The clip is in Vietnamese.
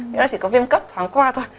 nên là chỉ có viêm cấp tháng qua thôi